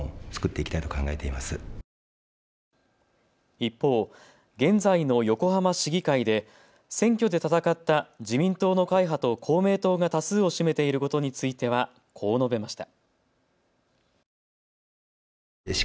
一方、現在の横浜市議会で選挙で戦った自民党の会派と公明党が多数を占めていることについてはこう述べました。